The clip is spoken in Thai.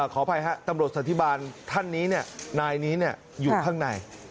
ขออภัยฮะตำรวจสถิบารท่านนี้เนี่ยนายนี้เนี่ยอยู่ข้างใน